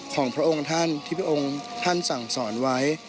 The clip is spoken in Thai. ของพระองค์ท่านที่พระองค์ท่านสั่งสอนไว้